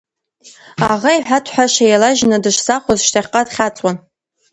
Аӷа иҳәаҭҳажә еилажьны дышзахәоз шьҭахьҟа дхьаҵуан…